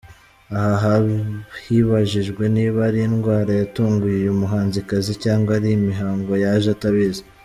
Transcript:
Aha hibajijwe niba ari indwara yatunguye uyu muhanzikazi cyangwa ari imihango yaje atabizi.